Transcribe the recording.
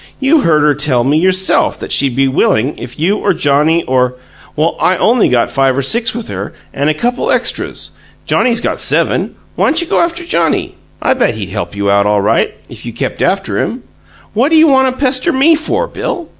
You heard her tell me, yourself, that she'd be willing if you or Johnnie or " "Well, I only got five or six with her, and a couple extras. Johnnie's got seven. Whyn't you go after Johnnie? I bet he'd help you out, all right, if you kept after him. What you want to pester ME for, Bill?"